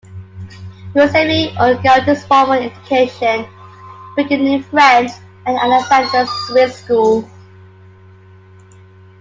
Giuseppe Ungaretti's formal education began in French, at Alexandria's Swiss School.